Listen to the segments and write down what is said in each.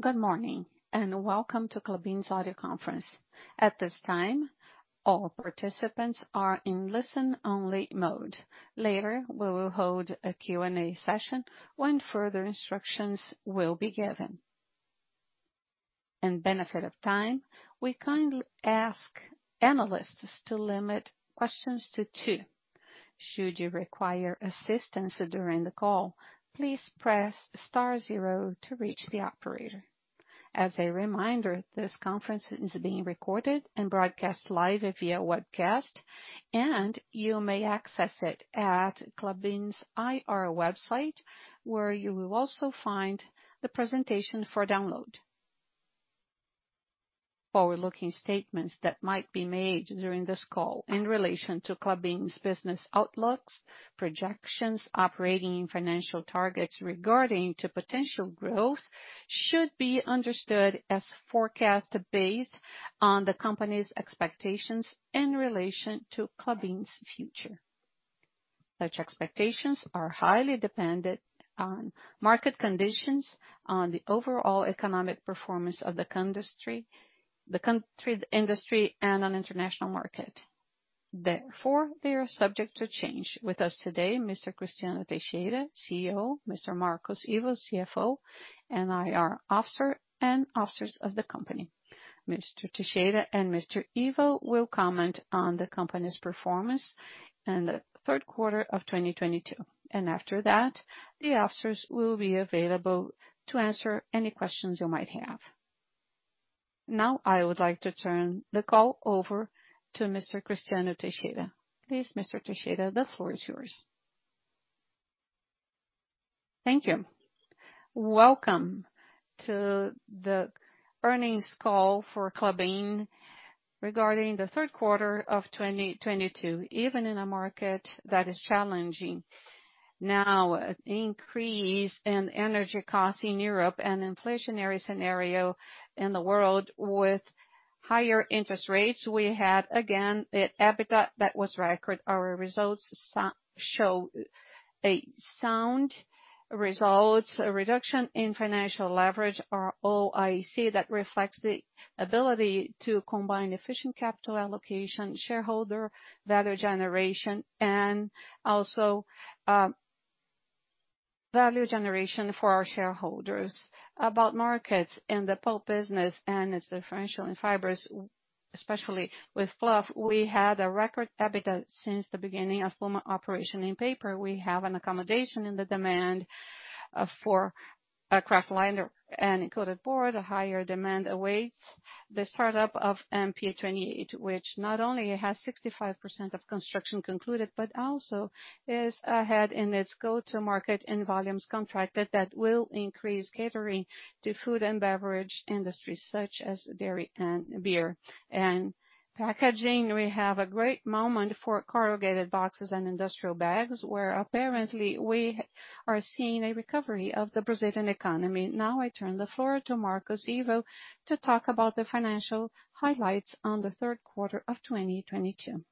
Good morning, and welcome to Klabin's audio conference. At this time, all participants are in listen-only mode. Later, we will hold a Q&A session when further instructions will be given. In the interest of time, we kindly ask analysts to limit questions to two. Should you require assistance during the call, please press star zero to reach the operator. As a reminder, this conference is being recorded and broadcast live via webcast, and you may access it at Klabin's IR website, where you will also find the presentation for download. Forward-looking statements that might be made during this call in relation to Klabin's business outlooks, projections, operating and financial targets regarding potential growth should be understood as forecasts based on the company's expectations in relation to Klabin's future. Such expectations are highly dependent on market conditions, on the overall economic performance of the industry, the country, the industry, and on the international market. Therefore, they are subject to change. With us today, Mr. Cristiano Teixeira, CEO, Mr. Marcos Ivo, CFO and IR officer, and officers of the company. Mr. Teixeira and Mr. Ivo will comment on the company's performance in the third quarter of 2022, and after that, the officers will be available to answer any questions you might have. Now I would like to turn the call over to Mr. Cristiano Teixeira. Please, Mr. Teixeira, the floor is yours. Thank you. Welcome to the earnings call for Klabin regarding the third quarter of 2022. Even in a market that is challenging, with an increase in energy costs in Europe and inflationary scenario in the world with higher interest rates, we had again an EBITDA that was a record. Our results show sound results, a reduction in financial leverage, our ROIC that reflects the ability to combine efficient capital allocation, shareholder value generation, and also, value generation for our shareholders. About markets and the pulp business and its differential in fibers, especially with fluff, we had a record EBITDA since the beginning of fluff operation. In paper, we have an accommodation in the demand for a kraftliner and coated board. A higher demand awaits the startup of MP28, which not only has 65% of construction concluded, but also is ahead in its go-to-market and volumes contracted that will increase catering to food and beverage industries such as dairy and beer. In packaging, we have a great moment for corrugated boxes and industrial bags, where apparently we are seeing a recovery of the Brazilian economy. Now I turn the floor to Marcos Ivo to talk about the financial highlights on the third quarter of 2022.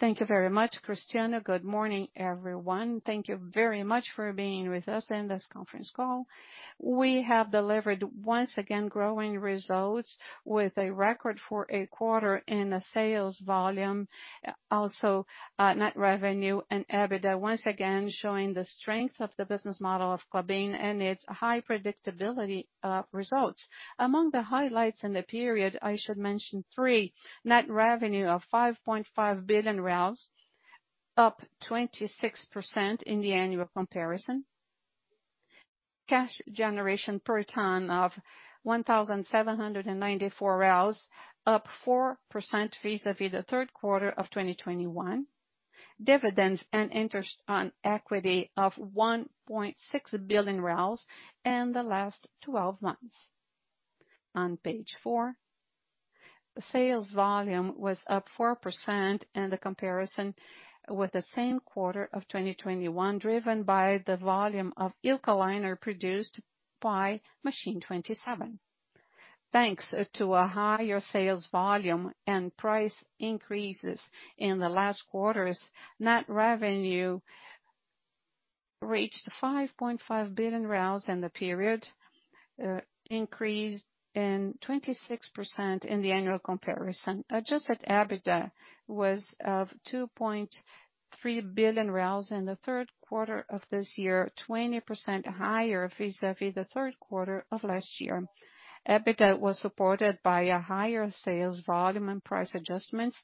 Thank you very much, Cristiano. Good morning, everyone. Thank you very much for being with us in this conference call. We have delivered once again growing results with a record for a quarter in a sales volume, also, net revenue and EBITDA, once again showing the strength of the business model of Klabin and its high predictability, results. Among the highlights in the period, I should mention three: Net revenue of BRL 5.5 billion, up 26% in the annual comparison. Cash generation per ton of 1,794, up 4% vis-à-vis the third quarter of 2021. Dividends and interest on equity of 1.6 billion in the last 12 months. On page four, sales volume was up 4% in the comparison with the same quarter of 2021, driven by the volume of Eukaliner produced by Machine 27. Thanks to a higher sales volume and price increases in the last quarters, net revenue reached 5.5 billion in the period, increase in 26% in the annual comparison. Adjusted EBITDA was 2.3 billion in the third quarter of this year, 20% higher vis-à-vis the third quarter of last year. EBITDA was supported by a higher sales volume and price adjustments,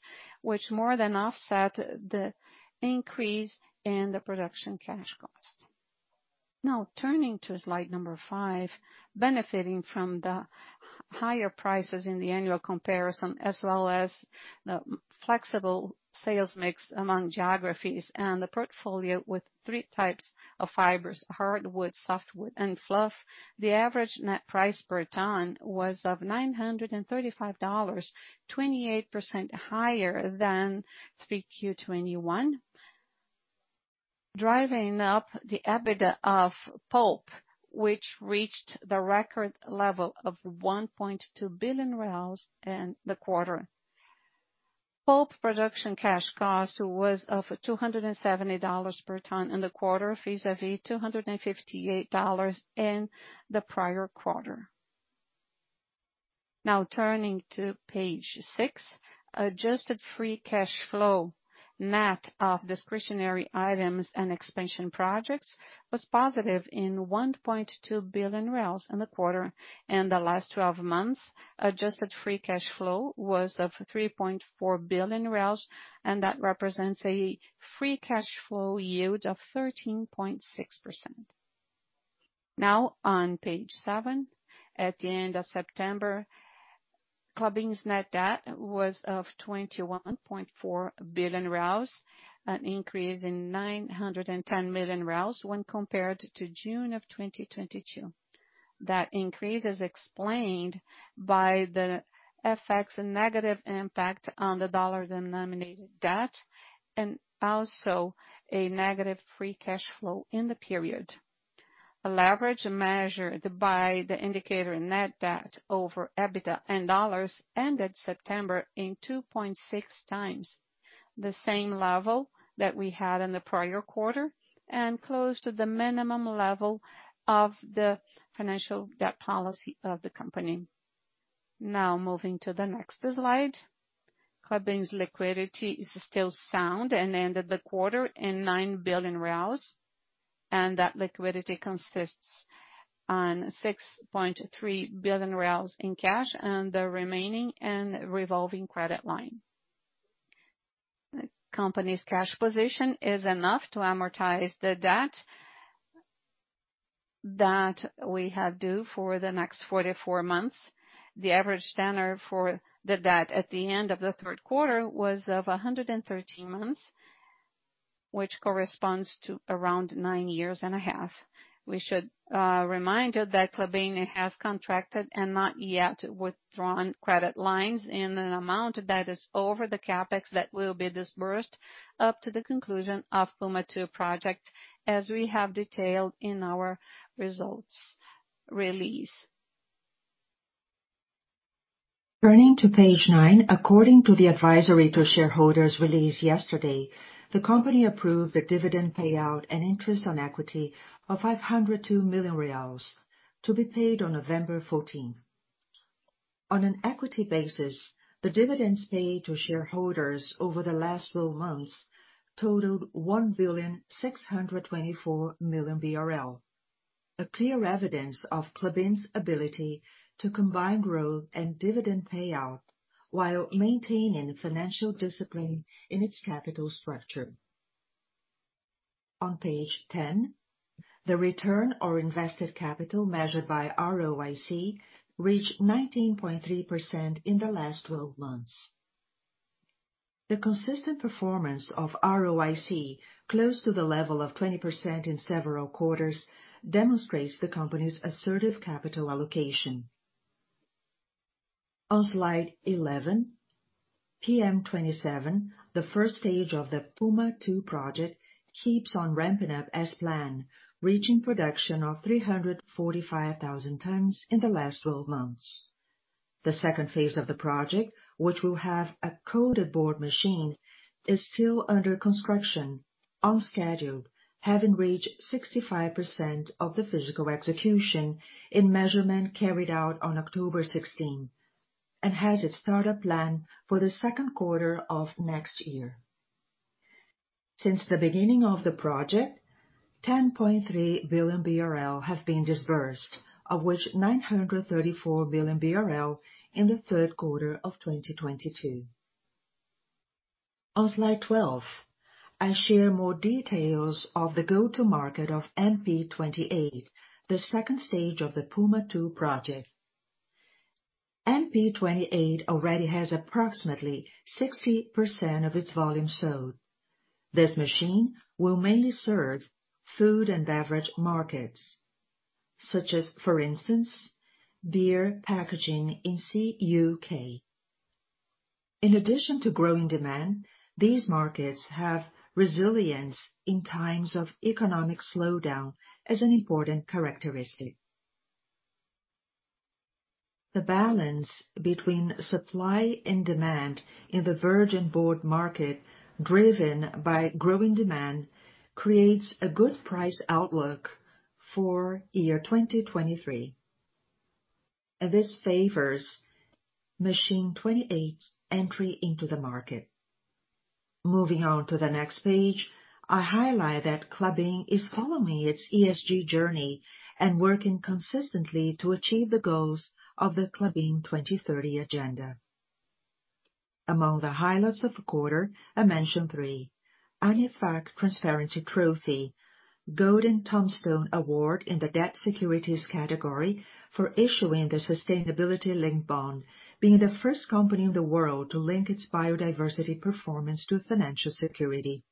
which more than offset the increase in the production cash cost. Now turning to slide number five, benefiting from the higher prices in the annual comparison, as well as the flexible sales mix among geographies and the portfolio with three types of fibers, hardwood, softwood, and fluff. The average net price per ton was $935, 28% higher than 3Q21, driving up the EBITDA of pulp, which reached the record level of 1.2 billion reais in the quarter. Pulp production cash cost was $270 per ton in the quarter, vis-à-vis $258 in the prior quarter. Now turning to page six. Adjusted free cash flow net of discretionary items and expansion projects was positive 1.2 billion in the quarter. In the last 12 months, adjusted free cash flow was 3.4 billion, and that represents a free cash flow yield of 13.6%. Now on page seven. At the end of September, Klabin's net debt was BRL 21.4 billion, an increase of BRL 910 million when compared to June 2022. That increase is explained by the FX negative impact on the dollar-denominated debt and also a negative free cash flow in the period. Leverage measured by the indicator net debt over EBITDA in dollars ended September at 2.6x, the same level that we had in the prior quarter and close to the minimum level of the financial debt policy of the company. Now moving to the next slide. Klabin's liquidity is still sound and ended the quarter at 9 billion reais, and that liquidity consists on 6.3 billion reais in cash and the remaining in revolving credit line. The company's cash position is enough to amortize the debt that we have due for the next 44 months. The average tenure for the debt at the end of the third quarter was of 113 months, which corresponds to around 9 years and a half. We should remind you that Klabin has contracted and not yet withdrawn credit lines in an amount that is over the CapEx that will be disbursed up to the conclusion of Puma II Project, as we have detailed in our results release. Turning to page nine. According to the advisory to shareholders released yesterday, the company approved the dividend payout and interest on equity of 502 million reais to be paid on November fourteenth. On an equity basis, the dividends paid to shareholders over the last 12 months totaled 1,624 million BRL. A clear evidence of Klabin's ability to combine growth and dividend payout while maintaining financial discipline in its capital structure. On page 10, the return on invested capital measured by ROIC reached 19.3% in the last 12 months. The consistent performance of ROIC, close to the level of 20% in several quarters, demonstrates the company's assertive capital allocation. On slide 11, MP27, the first stage of the Puma II project, keeps on ramping up as planned, reaching production of 345,000 tons in the last 12 months. The second phase of the project, which will have a coated board machine, is still under construction on schedule, having reached 65% of the physical execution in measurement carried out on October 16, and has its startup planned for the second quarter of next year. Since the beginning of the project, 10.3 billion BRL have been disbursed, of which 934 billion BRL in the third quarter of 2022. On slide 12, I share more details of the go-to-market of MP28, the second stage of the Puma II Project. MP28 already has approximately 60% of its volume sold. This machine will mainly serve food and beverage markets such as, for instance, beer packaging in CUK. In addition to growing demand, these markets have resilience in times of economic slowdown as an important characteristic. The balance between supply and demand in the virgin board market, driven by growing demand, creates a good price outlook for 2023. This favors Machine 28's entry into the market. Moving on to the next page, I highlight that Klabin is following its ESG journey and working consistently to achieve the goals of the Klabin 2030 Agenda. Among the highlights of the quarter, I mention three. ANEFAC Transparency Trophy. Golden Tombstone Award in the debt securities category for issuing the sustainability-linked bond, being the first company in the world to link its biodiversity performance to financial security.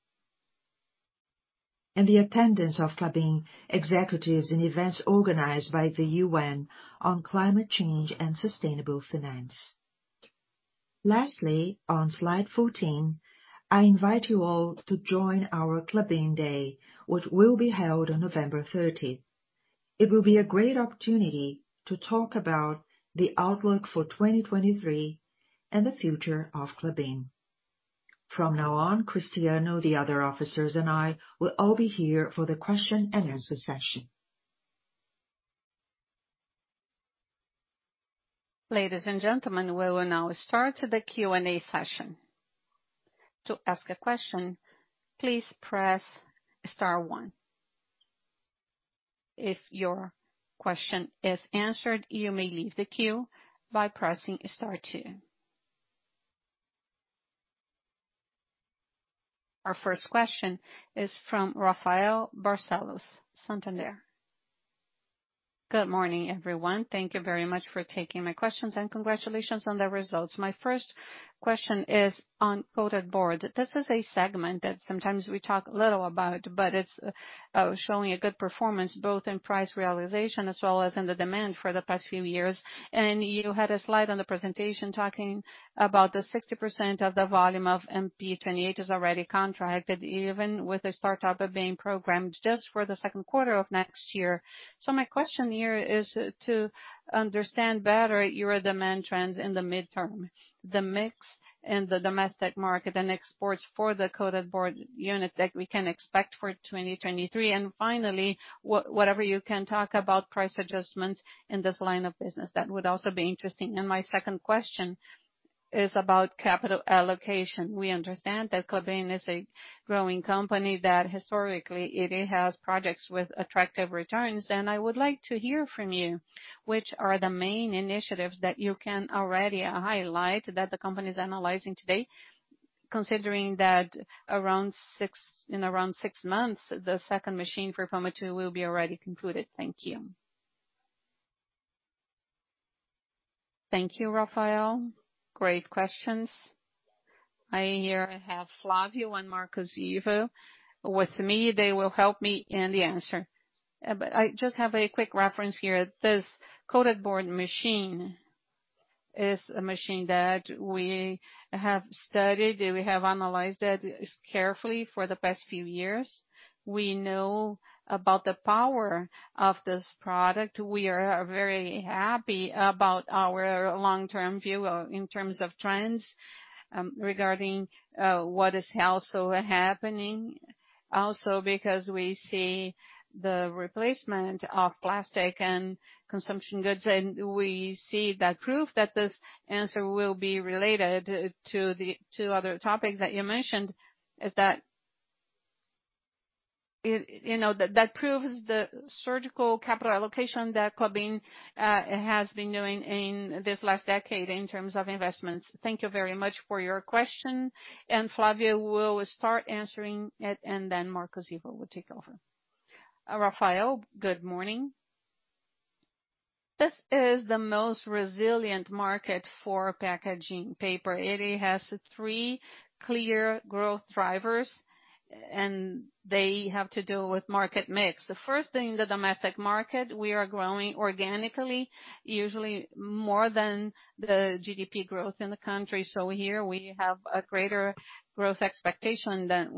The attendance of Klabin executives in events organized by the UN on climate change and sustainable finance. Lastly, on slide 14, I invite you all to join our Klabin Day, which will be held on November 30. It will be a great opportunity to talk about the outlook for 2023 and the future of Klabin. From now on, Cristiano, the other officers and I will all be here for the question and answer session. Ladies and gentlemen, we will now start the Q&A session. To ask a question, please press star one. If your question is answered, you may leave the queue by pressing star two. Our first question is from Rafael Barcellos, Santander. Good morning, everyone. Thank you very much for taking my questions, and congratulations on the results. My first question is on coated board. This is a segment that sometimes we talk little about, but it's showing a good performance both in price realization as well as in the demand for the past few years. You had a slide on the presentation talking about the 60% of the volume of MP28 is already contracted, even with the startup being programmed just for the second quarter of next year. My question here is to understand better your demand trends in the midterm, the mix in the domestic market and exports for the coated board unit that we can expect for 2023. Finally, whatever you can talk about price adjustments in this line of business, that would also be interesting. My second question is about capital allocation. We understand that Klabin is a growing company, that historically it has projects with attractive returns. I would like to hear from you which are the main initiatives that you can already highlight that the company is analyzing today, considering that in around six months, the second machine for Puma II will be already concluded. Thank you. Thank you, Rafael. Great questions. I have here Flávio and Marcos Ivo with me. They will help me in the answer. But I just have a quick reference here. This coated board machine is a machine that we have studied and we have analyzed it carefully for the past few years. We know about the power of this product. We are very happy about our long-term view in terms of trends, regarding what is also happening. Because we see the replacement of plastic and consumption goods, and we see that proof that this answer will be related to the two other topics that you mentioned is that, you know, that proves the surgical capital allocation that Klabin has been doing in this last decade in terms of investments. Thank you very much for your question, and Flávio will start answering it, and then Marcos Ivo will take over. Rafael, good morning. This is the most resilient market for packaging paper. It has three clear growth drivers, and they have to do with market mix. The first thing, the domestic market, we are growing organically, usually more than the GDP growth in the country. Here we have a greater growth expectation than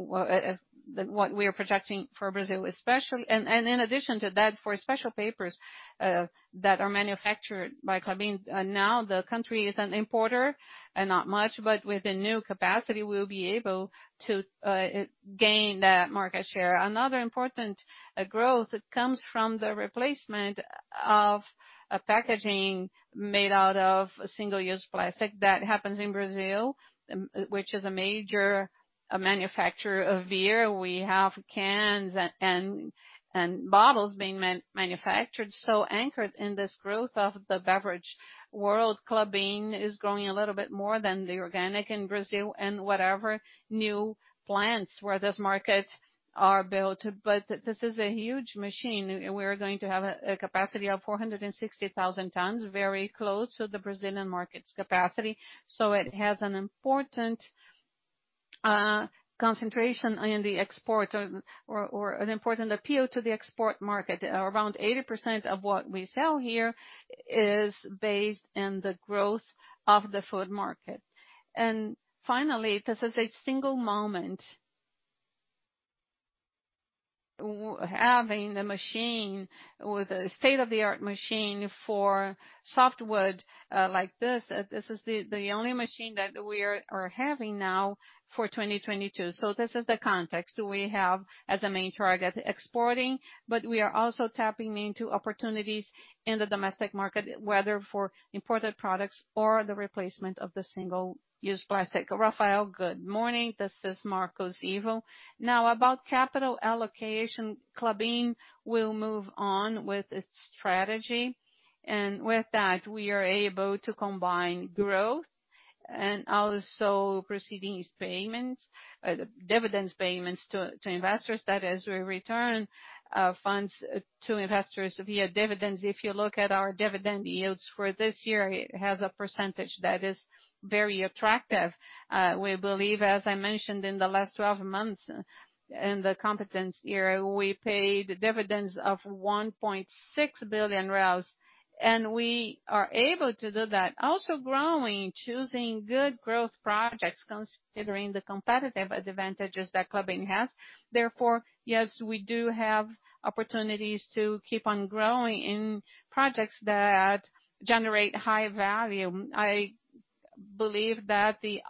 what we are projecting for Brazil especially. In addition to that, for special papers that are manufactured by Klabin, now the country is an importer and not much, but with the new capacity we'll be able to gain that market share. Another important growth comes from the replacement of a packaging made out of single-use plastic that happens in Brazil, which is a major manufacturer of beer. We have cans and bottles being manufactured. Anchored in this growth of the beverage world, Klabin is growing a little bit more than the organic in Brazil and whatever new plants where this market are built. This is a huge machine, and we're going to have a capacity of 460,000 tons, very close to the Brazilian market's capacity. It has an important concentration in the export or an important appeal to the export market. Around 80% of what we sell here is based in the growth of the food market. Finally, this is a single moment. Having the machine with a state-of-the-art machine for softwood, this is the only machine that we are having now for 2022. This is the context we have as a main target exporting, but we are also tapping into opportunities in the domestic market, whether for imported products or the replacement of the single-use plastic. Rafael, good morning. This is Marcos Ivo. Now, about capital allocation, Klabin will move on with its strategy. With that, we are able to combine growth and also proceedings payments, dividends payments to investors. That is, we return funds to investors via dividends. If you look at our dividend yields for this year, it has a percentage that is very attractive. We believe, as I mentioned, in the last 12 months in the comparable period, we paid dividends of 1.6 billion, and we are able to do that also growing, choosing good growth projects considering the competitive advantages that Klabin has. Therefore, yes, we do have opportunities to keep on growing in projects that generate high value. I believe that the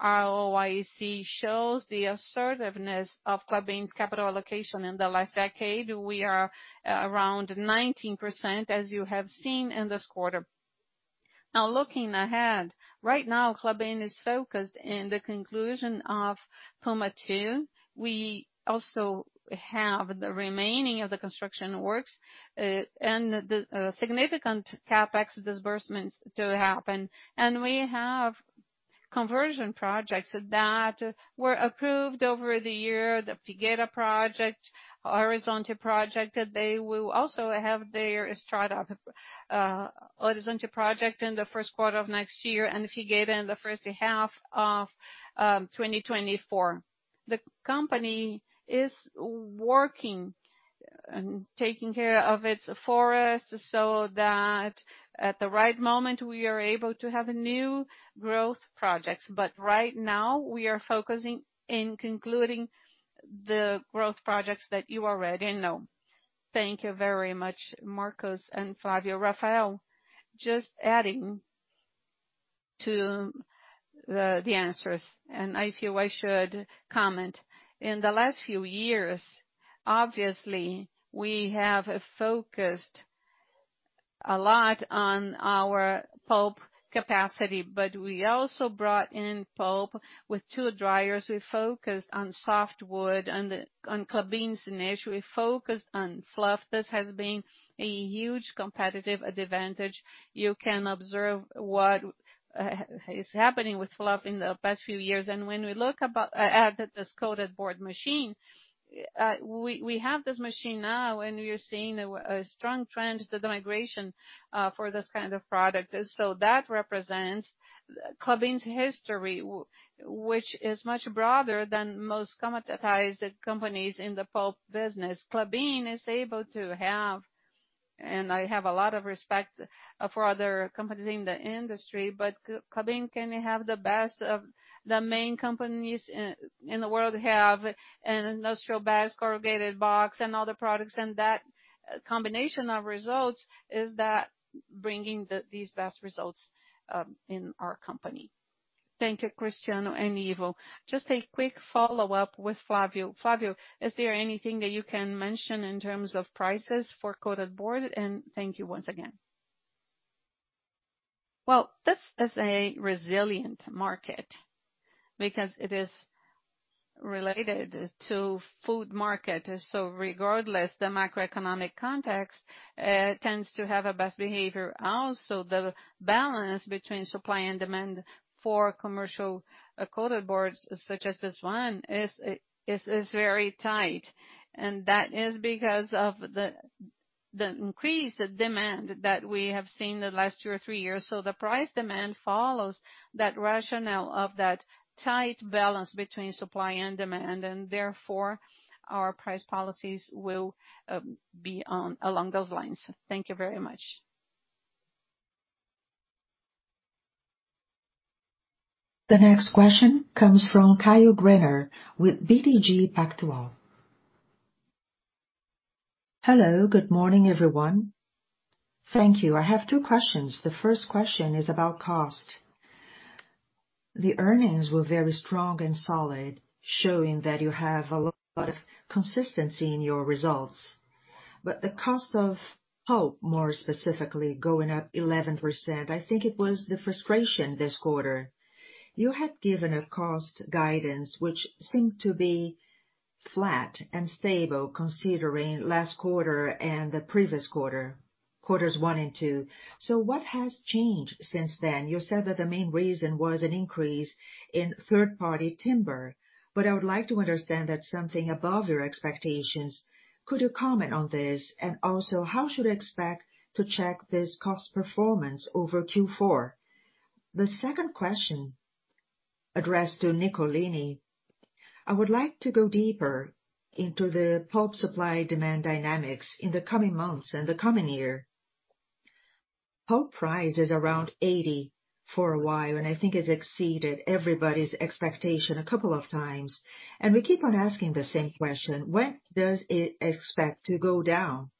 ROIC shows the assertiveness of Klabin's capital allocation in the last decade. We are around 19%, as you have seen in this quarter. Now, looking ahead, right now Klabin is focused in the conclusion of PUMA II. We also have the remaining of the construction works, and the significant CapEx disbursements to happen. We have conversion projects that were approved over the year. The Figueira Project, Horizonte Project, they will also have their startup, Horizonte Project in the first quarter of next year and Figueira in the first half of 2024. The company is working and taking care of its forests so that at the right moment we are able to have new growth projects. Right now we are focusing in concluding the growth projects that you already know. Thank you very much, Marcos and Flávio. Rafael, just adding to the answers, and I feel I should comment. In the last few years, obviously, we have focused a lot on our pulp capacity, but we also brought in pulp with two dryers. We focused on softwood and on Klabin's niche. We focused on fluff. This has been a huge competitive advantage. You can observe what is happening with fluff in the past few years. When we look at this coated board machine, we have this machine now, and we are seeing a strong trend, the migration, for this kind of product. That represents Klabin's history, which is much broader than most commoditized companies in the pulp business. Klabin is able to have, and I have a lot of respect for other companies in the industry, but Klabin can have the best of the main companies in the world have, industrial bags, corrugated box, and other products. That combination of results is that bringing these best results in our company. Thank you, Cristiano and Ivo. Just a quick follow-up with Flávio. Flávio, is there anything that you can mention in terms of prices for coated board? Thank you once again. Well, this is a resilient market because it is related to food market. Regardless, the macroeconomic context tends to have a best behavior. Also, the balance between supply and demand for commercial coated boards such as this one is very tight. That is because of the increased demand that we have seen the last two or three years. The price demand follows that rationale of that tight balance between supply and demand. Therefore, our price policies will be on along those lines. Thank you very much. The next question comes from Caio Greiner with BTG Pactual. Hello. Good morning, everyone. Thank you. I have two questions. The first question is about cost. The earnings were very strong and solid, showing that you have a lot of consistency in your results. The cost of pulp, more specifically, going up 11%, I think it was the frustration this quarter. You had given a cost guidance which seemed to be flat and stable considering last quarter and the previous quarter, quarters one and two. What has changed since then? You said that the main reason was an increase in third-party timber, but I would like to understand that's something above your expectations. Could you comment on this? And also, how should we expect to check this cost performance over Q4? The second question, addressed to Nicolini. I would like to go deeper into the pulp supply-demand dynamics in the coming months and the coming year. Pulp price is around $80 for a while, and I think it's exceeded everybody's expectation a couple of times. We keep on asking the same question: When does it expect to go down?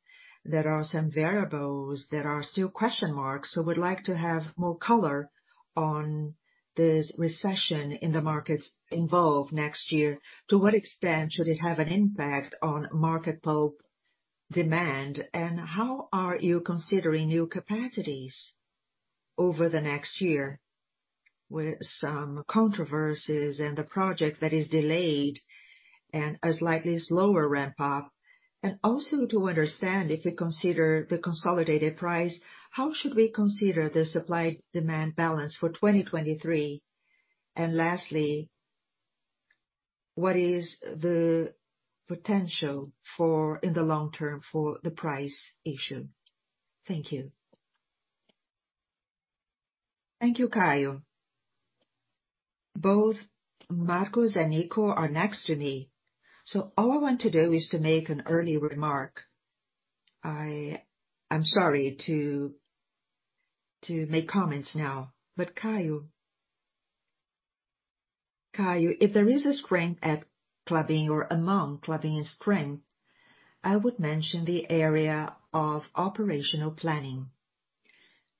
There are some variables that are still question marks, so we'd like to have more color on this recession in the markets involved next year. To what extent should it have an impact on market pulp demand? How are you considering new capacities over the next year with some controversies and the project that is delayed and a slightly slower ramp up? Also to understand, if you consider the consolidated price, how should we consider the supply-demand balance for 2023? Lastly, what is the potential for in the long term for the price issue? Thank you. Thank you, Caio. Both Marcos and Nico are next to me, so all I want to do is to make an early remark. I'm sorry to make comments now, but Caio. Caio, if there is a strength at Klabin or among Klabin strength, I would mention the area of operational planning.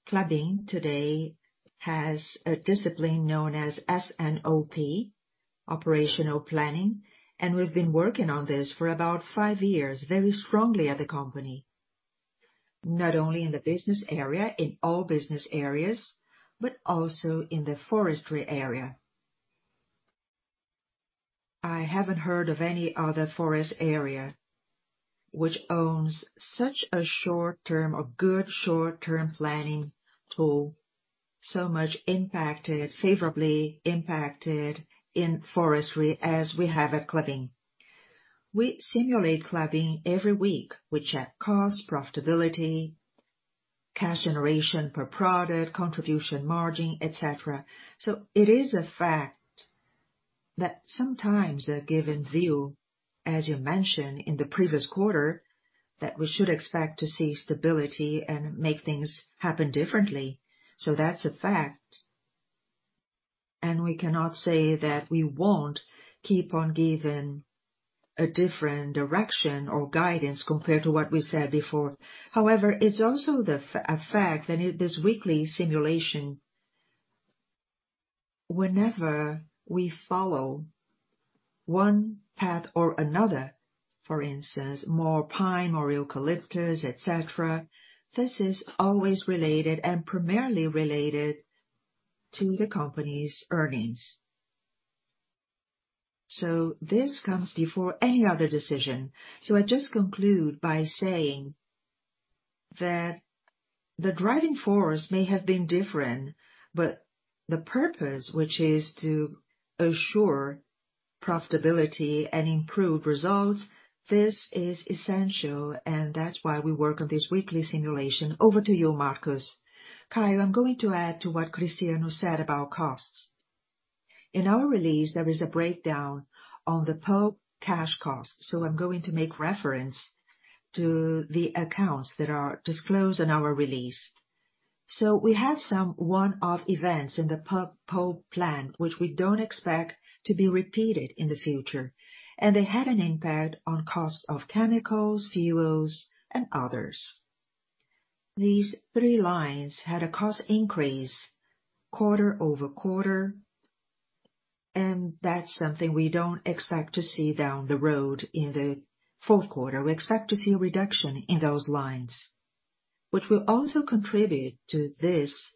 Klabin today has a discipline known as S&OP operational planning, and we've been working on this for about five years, very strongly at the company, not only in the business area, in all business areas, but also in the forestry area. I haven't heard of any other forest area which owns such a short term or good short-term planning tool, so much impacted, favorably impacted in forestry as we have at Klabin. We simulate Klabin every week. We check costs, profitability, cash generation per product, contribution margin, et cetera. It is a fact that sometimes a given view, as you mentioned in the previous quarter, that we should expect to see stability and make things happen differently. That's a fact, and we cannot say that we won't keep on giving a different direction or guidance compared to what we said before. However, it's also the effect that this weekly simulation, whenever we follow one path or another, for instance, more pine or eucalyptus, et cetera, this is always related and primarily related to the company's earnings. This comes before any other decision. I just conclude by saying that the driving force may have been different, but the purpose, which is to assure profitability and improve results, this is essential, and that's why we work on this weekly simulation. Over to you, Marcos. Caio, I'm going to add to what Cristiano said about costs. In our release, there is a breakdown on the pulp cash cost, so I'm going to make reference to the accounts that are disclosed in our release. We had some one-off events in the pulp plan, which we don't expect to be repeated in the future, and they had an impact on cost of chemicals, fuels, and others. These three lines had a cost increase quarter-over-quarter, and that's something we don't expect to see down the road in the fourth quarter. We expect to see a reduction in those lines, which will also contribute to this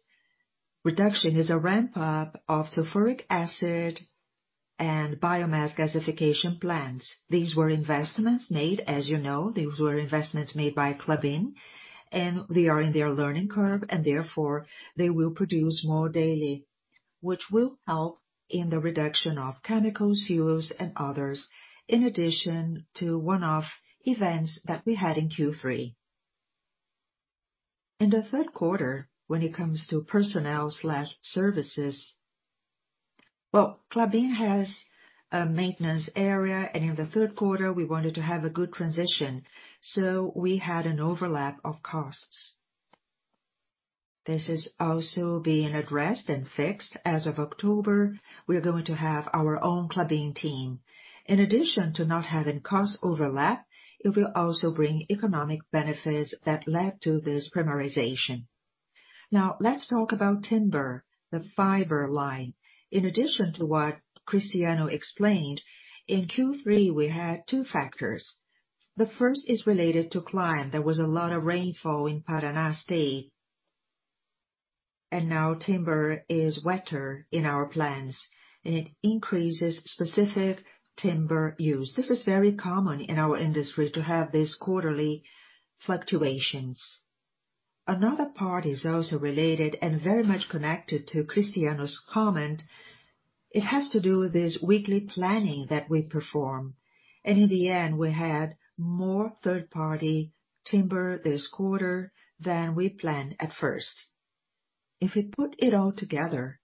reduction, is a ramp up of sulfuric acid and biomass gasification plans. These were investments made by Klabin, as you know, and they are in their learning curve, and therefore, they will produce more daily, which will help in the reduction of chemicals, fuels and others, in addition to one-off events that we had in Q3. In the third quarter, when it comes to personnel/services, well, Klabin has a maintenance area, and in the third quarter we wanted to have a good transition, so we had an overlap of costs. This is also being addressed and fixed. As of October, we are going to have our own Klabin team. In addition to not having cost overlap, it will also bring economic benefits that led to this primarization. Now, let's talk about timber, the fiber line. In addition to what Cristiano explained, in Q3, we had two factors. The first is related to climate. There was a lot of rainfall in Paraná State, and now timber is wetter in our plants and it increases specific timber use. This is very common in our industry to have these quarterly fluctuations. Another part is also related and very much connected to Cristiano's comment. It has to do with this weekly planning that we perform. In the end, we had more third-party timber this quarter than we planned at first. If we put it all together,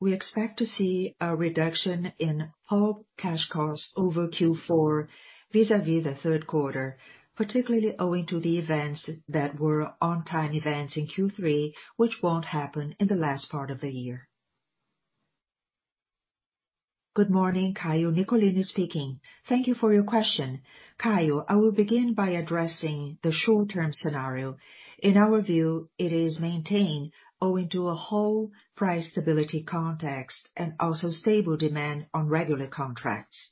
we expect to see a reduction in pulp cash costs over Q4 vis-à-vis the third quarter, particularly owing to the one-time events in Q3, which won't happen in the last part of the year. Good morning, Caio. Nicolini speaking. Thank you for your question. Caio, I will begin by addressing the short-term scenario. In our view, it is maintained owing to a whole price stability context and also stable demand on regular contracts.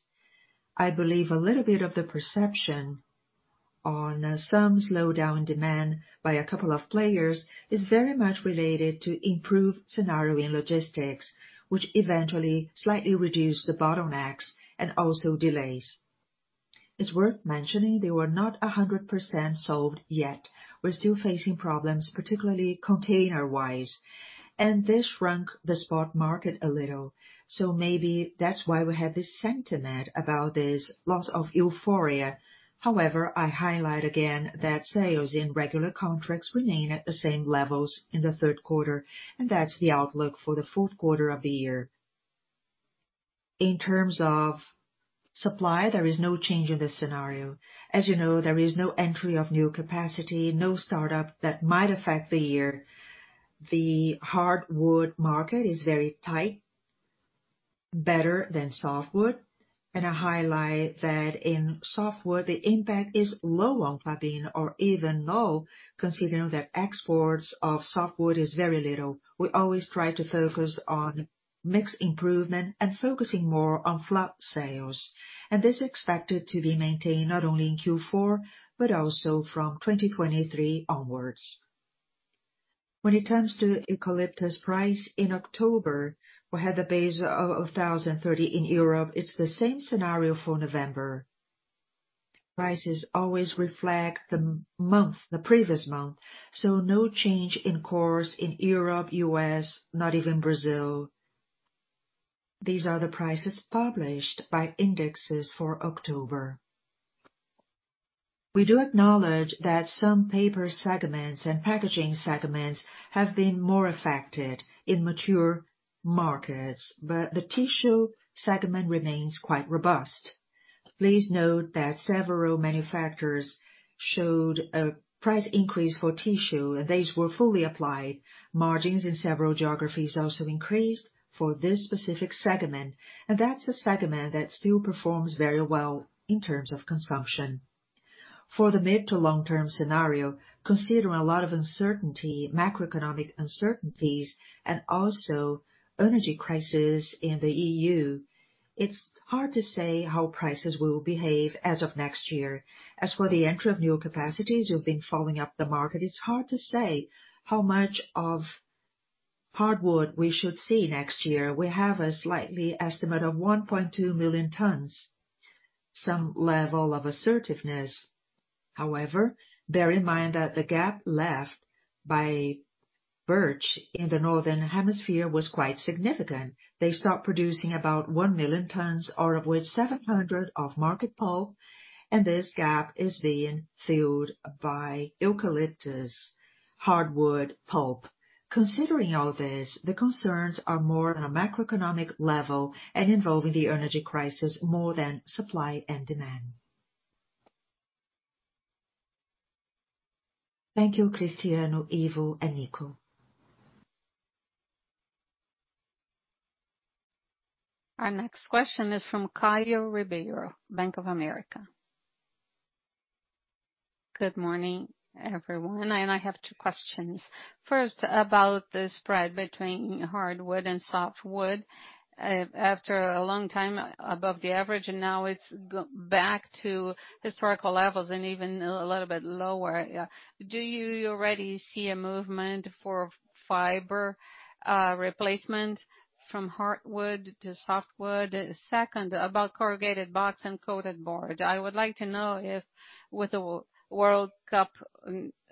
I believe a little bit of the perception on some slowdown in demand by a couple of players is very much related to improved scenario in logistics, which eventually slightly reduced the bottlenecks and also delays. It's worth mentioning they were not 100% solved yet. We're still facing problems, particularly container-wise, and this shrunk the spot market a little. Maybe that's why we have this sentiment about this loss of euphoria. I highlight again that sales in regular contracts remain at the same levels in the third quarter, and that's the outlook for the fourth quarter of the year. In terms of supply, there is no change in the scenario. As you know, there is no entry of new capacity, no startup that might affect the year. The hardwood market is very tight, better than softwood. I highlight that in softwood the impact is low on Klabin or even low considering that exports of softwood is very little. We always try to focus on mix improvement and focusing more on fluff sales. This is expected to be maintained not only in Q4, but also from 2023 onwards. When it comes to eucalyptus price in October, we had a base of $1,030 in Europe. It's the same scenario for November. Prices always reflect the month, the previous month, so no change in course in Europe, U.S., not even Brazil. These are the prices published by indexes for October. We do acknowledge that some paper segments and packaging segments have been more affected in mature markets, but the tissue segment remains quite robust. Please note that several manufacturers showed a price increase for tissue, and these were fully applied. Margins in several geographies also increased for this specific segment, and that's a segment that still performs very well in terms of consumption. For the mid- to long-term scenario, considering a lot of uncertainty, macroeconomic uncertainties and also energy crisis in the E.U., it's hard to say how prices will behave as of next year. As for the entry of new capacities, we've been following the market. It's hard to say how much of hardwood we should see next year. We have a slight estimate of 1.2 million tons, some level of assertiveness. However, bear in mind that the gap left by birch in the northern hemisphere was quite significant. They stopped producing about one million tons, out of which 700 of market pulp. This gap is being filled by eucalyptus hardwood pulp. Considering all this, the concerns are more on a macroeconomic level and involving the energy crisis more than supply and demand. Thank you, Cristiano, Ivo, and Nico. Our next question is from Caio Ribeiro, Bank of America. Good morning, everyone. I have two questions. First, about the spread between hardwood and softwood. After a long time above the average, and now it's gone back to historical levels and even a little bit lower. Do you already see a movement for fiber replacement from hardwood to softwood? Second, about corrugated box and coated board. I would like to know if with the World Cup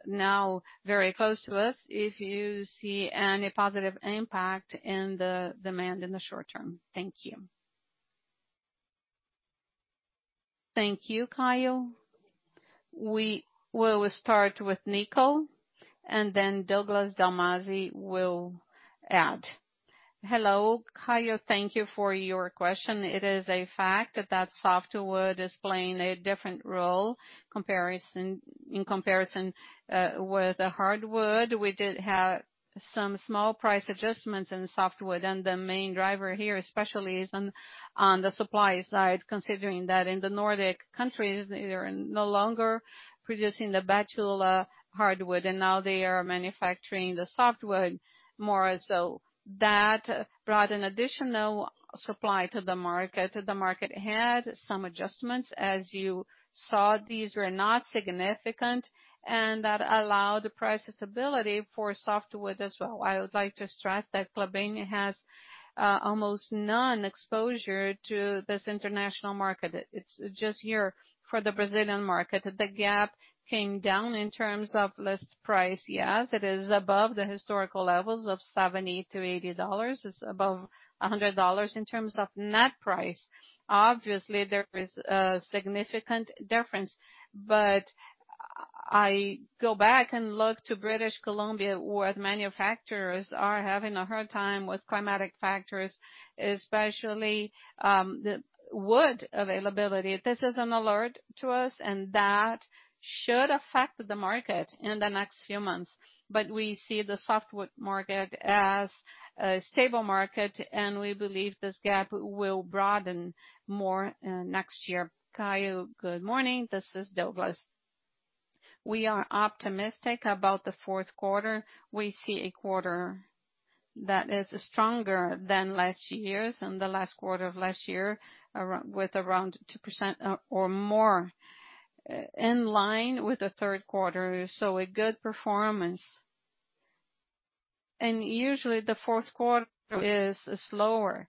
now very close to us, if you see any positive impact in the demand in the short term. Thank you. Thank you, Caio. We will start with Nico, and then Douglas Dalmasi will add. Hello, Caio. Thank you for your question. It is a fact that softwood is playing a different role in comparison with the hardwood. We did have some small price adjustments in softwood, and the main driver here especially is on the supply side, considering that in the Nordic countries, they are no longer producing the birch hardwood, and now they are manufacturing the softwood more. That brought an additional supply to the market. The market had some adjustments. As you saw, these were not significant and that allowed price stability for softwood as well. I would like to stress that Klabin has almost no exposure to this international market. It's just here for the Brazilian market. The gap came down in terms of list price, yes, it is above the historical levels of $70-$80. It's above $100 in terms of net price. Obviously, there is a significant difference, but I go back and look to British Columbia, where the manufacturers are having a hard time with climatic factors, especially, the wood availability. This is an alert to us, and that should affect the market in the next few months. We see the softwood market as a stable market, and we believe this gap will broaden more, next year. Caio, good morning. This is Douglas. We are optimistic about the fourth quarter. We see a quarter that is stronger than last year's and the last quarter of last year, with around 2% or more in line with the third quarter. A good performance. Usually the fourth quarter is slower,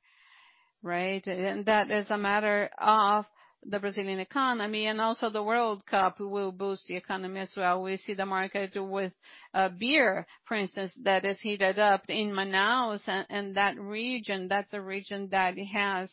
right? That is a matter of the Brazilian economy and also the World Cup will boost the economy as well. We see the market with beer, for instance, that is heated up in Manaus and that region. That's a region that has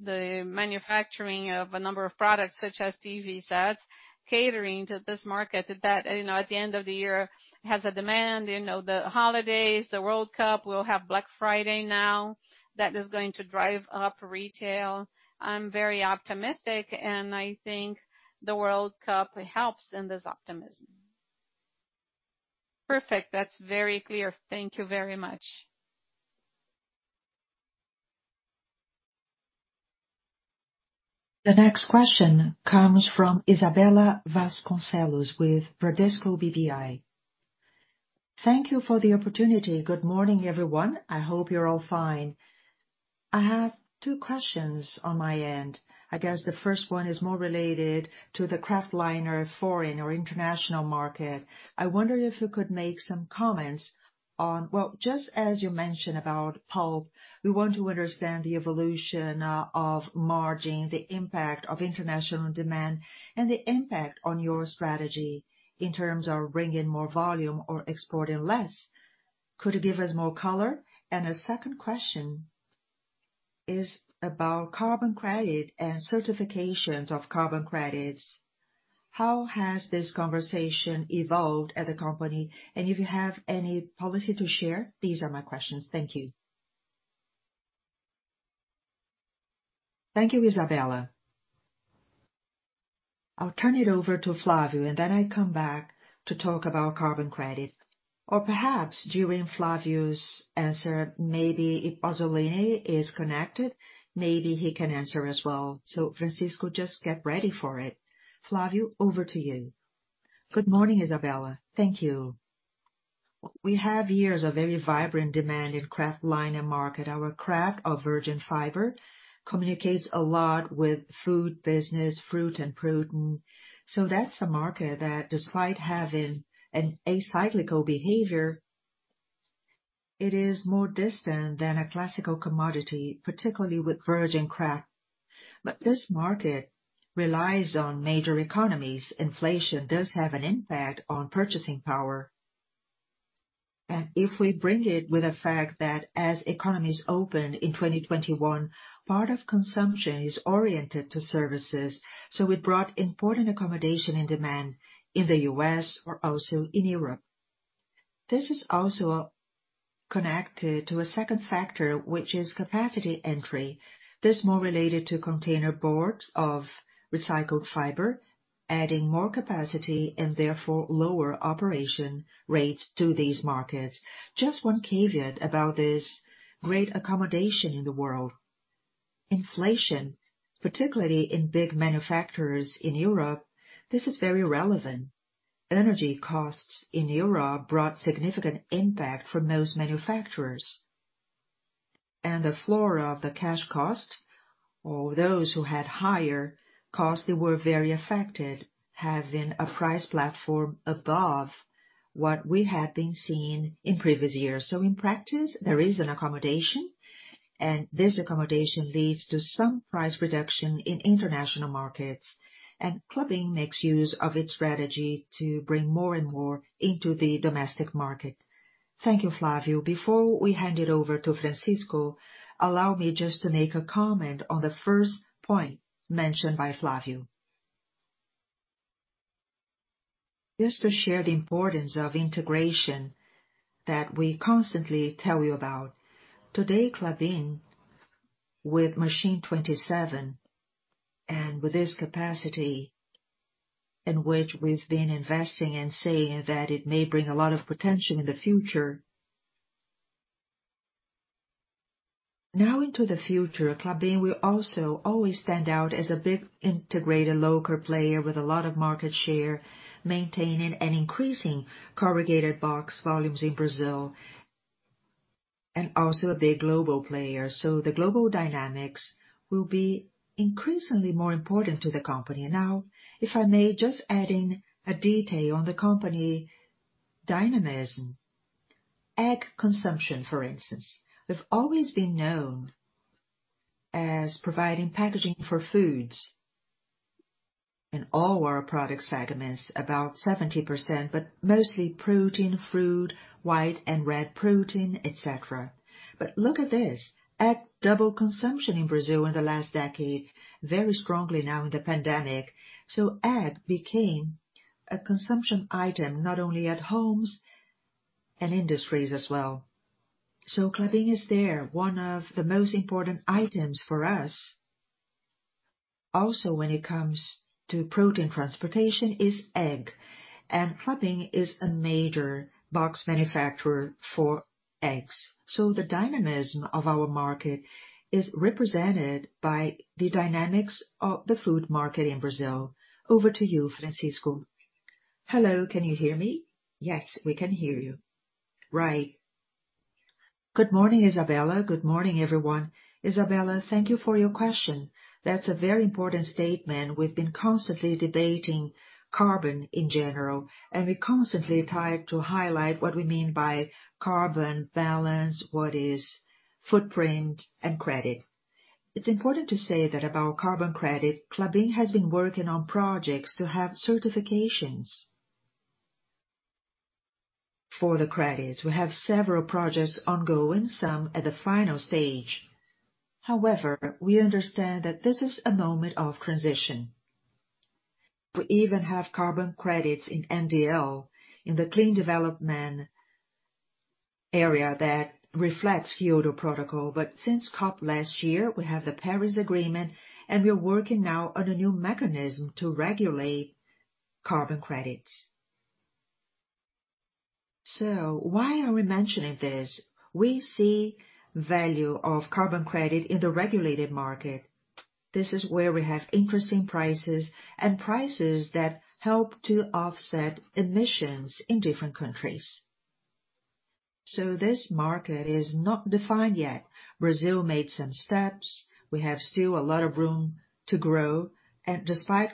The manufacturing of a number of products such as TV sets, catering to this market that, you know, at the end of the year has a demand, you know, the holidays, the World Cup, we'll have Black Friday now. That is going to drive up retail. I'm very optimistic, and I think the World Cup helps in this optimism. Perfect. That's very clear. Thank you very much. The next question comes from Isabella Vasconcelos with Bradesco BBI. Thank you for the opportunity. Good morning, everyone. I hope you're all fine. I have two questions on my end. I guess the first one is more related to the kraftliner foreign or international market. I wonder if you could make some comments on... Well, just as you mentioned about pulp, we want to understand the evolution, of margin, the impact of international demand, and the impact on your strategy in terms of bringing more volume or exporting less. Could you give us more color? A second question is about carbon credit and certifications of carbon credits. How has this conversation evolved at the company? If you have any policy to share, these are my questions. Thank you. Thank you, Isabella. I'll turn it over to Flávio, and then I come back to talk about carbon credit. Perhaps during Flávio's answer, maybe if Razzolini is connected, maybe he can answer as well. Francisco, just get ready for it. Flávio, over to you. Good morning, Isabella. Thank you. We have years of very vibrant demand in kraftliner market. Our virgin kraft fiber communicates a lot with food business, fruit and protein. That's a market that despite having an acyclical behavior, it is more distant than a classic commodity, particularly with virgin kraft. This market relies on major economies. Inflation does have an impact on purchasing power. If we bring it with the fact that as economies open in 2021, part of consumption is oriented to services. It brought important accommodation and demand in the U.S. or also in Europe. This is also connected to a second factor, which is capacity entry. This is more related to containerboard of recycled fiber, adding more capacity and therefore lower operation rates to these markets. Just one caveat about this great accommodation in the world. Inflation, particularly in big manufacturers in Europe, this is very relevant. Energy costs in Europe brought significant impact for most manufacturers. The floor of the cash cost, or those who had higher costs, they were very affected, having a price platform above what we have been seeing in previous years. In practice, there is an accommodation, and this accommodation leads to some price reduction in international markets. Klabin makes use of its strategy to bring more and more into the domestic market. Thank you, Flávio. Before we hand it over to Francisco, allow me just to make a comment on the first point mentioned by Flávio. Just to share the importance of integration that we constantly tell you about. Today, Klabin, with Machine 27 and with this capacity in which we've been investing and saying that it may bring a lot of potential in the future. Now into the future, Klabin will also always stand out as a big integrated local player with a lot of market share, maintaining and increasing corrugated box volumes in Brazil, and also a big global player. The global dynamics will be increasingly more important to the company. Now, if I may just add in a detail on the company dynamism. Egg consumption, for instance. We've always been known as providing packaging for foods in all our product segments, about 70%, but mostly protein, fruit, white and red protein, et cetera. Look at this. Egg consumption doubled in Brazil in the last decade, very strongly now in the pandemic. Egg became a consumption item, not only at homes and industries as well. Klabin is there. One of the most important items for us also when it comes to protein transportation is egg, and Klabin is a major box manufacturer for eggs. The dynamism of our market is represented by the dynamics of the food market in Brazil. Over to you, Francisco. Hello. Can you hear me? Yes, we can hear you. Right. Good morning, Isabella. Good morning, everyone. Isabella, thank you for your question. That's a very important statement. We've been constantly debating carbon in general, and we constantly try to highlight what we mean by carbon balance, what is footprint and credit. It's important to say that about carbon credit. Klabin has been working on projects to have certifications. For the credits, we have several projects ongoing, some at the final stage. However, we understand that this is a moment of transition. We even have carbon credits in the MDL, the Clean Development Mechanism that reflects the Kyoto Protocol. Since COP last year, we have the Paris Agreement, and we're working now on a new mechanism to regulate carbon credits. Why are we mentioning this? We see value of carbon credit in the regulated market. This is where we have interesting prices and prices that help to offset emissions in different countries. This market is not defined yet. Brazil made some steps. We have still a lot of room to grow. Despite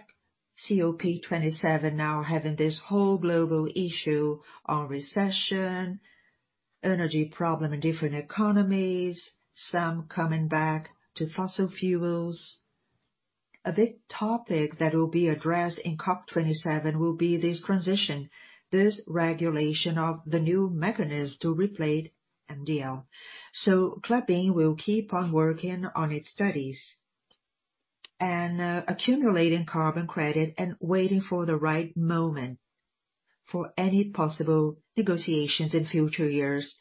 COP27 now having this whole global issue on recession, energy problem in different economies, some coming back to fossil fuels. A big topic that will be addressed in COP27 will be this transition, this regulation of the new mechanism to replace MDL. Klabin will keep on working on its studies and accumulating carbon credit and waiting for the right moment for any possible negotiations in future years.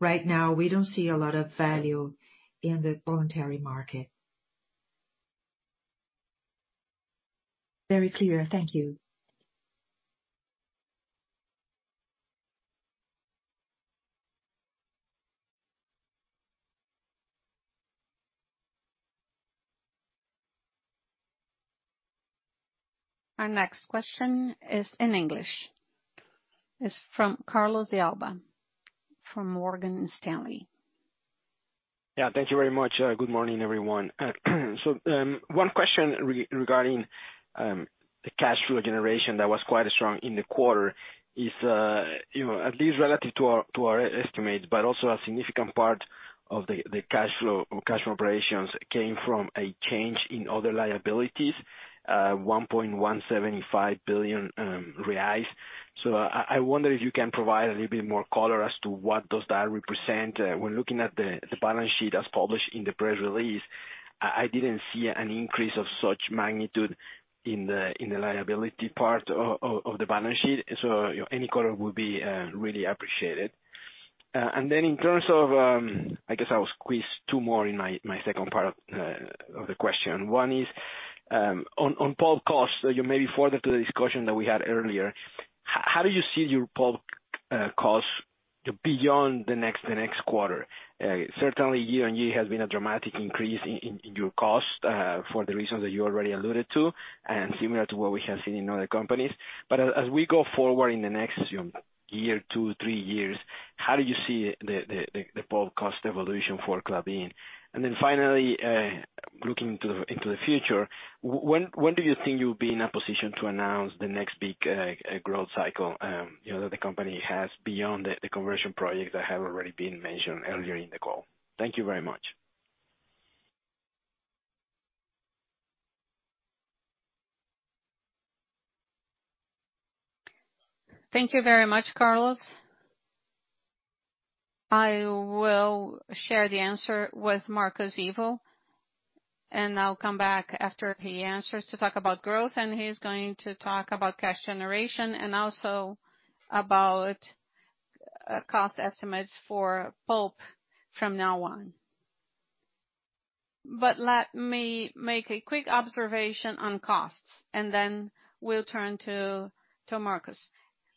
Right now, we don't see a lot of value in the voluntary market. Very clear. Thank you. Our next question is in English. It's from Carlos de Alba from Morgan Stanley. Yeah. Thank you very much. Good morning, everyone. One question regarding the cash flow generation that was quite strong in the quarter is, you know, at least relative to our estimates, but also a significant part of the cash flow operations came from a change in other liabilities, 1.175 billion reais. I wonder if you can provide a little bit more color as to what does that represent. When looking at the balance sheet as published in the press release, I didn't see an increase of such magnitude in the liability part of the balance sheet. Any color would be really appreciated. In terms of, I guess I'll squeeze two more in my second part of the question. One is on pulp costs. You may be further to the discussion that we had earlier. How do you see your pulp costs beyond the next quarter? Certainly year-on-year has been a dramatic increase in your cost for the reasons that you already alluded to and similar to what we have seen in other companies. As we go forward in the next year, two, three years, how do you see the pulp cost evolution for Klabin? Then finally, looking into the future, when do you think you'll be in a position to announce the next big growth cycle, you know, that the company has beyond the conversion projects that have already been mentioned earlier in the call? Thank you very much. Thank you very much, Carlos. I will share the answer with Marcos Ivo, and I'll come back after he answers to talk about growth. He's going to talk about cash generation and also about cost estimates for pulp from now on. Let me make a quick observation on costs, and then we'll turn to Marcos.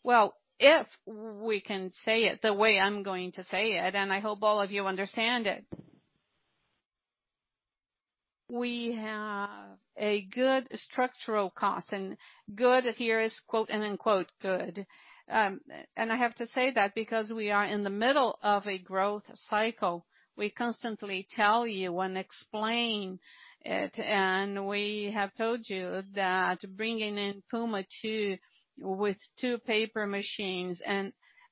Well, if we can say it the way I'm going to say it, and I hope all of you understand it. We have a good structural cost. Good here is quote and unquote good. I have to say that because we are in the middle of a growth cycle. We constantly tell you and explain it, and we have told you that bringing in Puma II with two paper machines and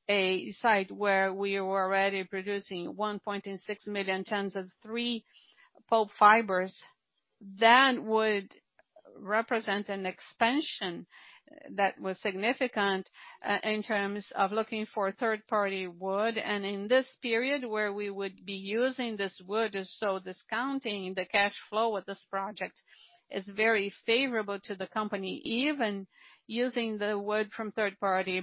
a site where we were already producing 1.6 million tons of three pulp fibers, that would represent an expansion that was significant in terms of looking for third-party wood. In this period where we would be using this wood, so discounting the cash flow of this project is very favorable to the company, even using the wood from third party.